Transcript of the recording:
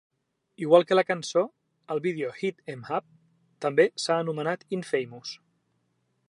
Igual que la cançó, el vídeo de "Hit 'Em Up" també s'ha anomenat "infamous".